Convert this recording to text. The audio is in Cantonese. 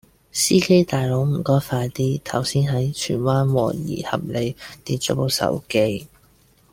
司機大佬唔該快啲，頭先喺荃灣和宜合里跌左部手機